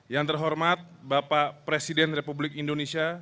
yang terhormat bapak presiden republik indonesia